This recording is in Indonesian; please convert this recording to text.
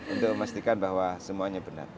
untuk memastikan bahwa semuanya benar